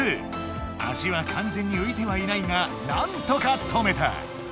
足はかんぜんにういてはいないがなんとか止めた！